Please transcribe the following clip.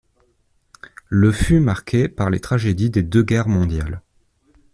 Le fut marqué par les tragédies des deux guerres mondiales.